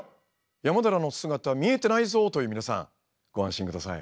山寺の姿見えてないぞ！という皆さんご安心ください。